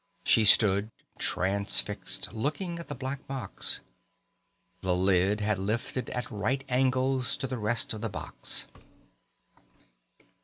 She stood transfixed, looking at the black box. The lid had lifted at right angles to the rest of the box.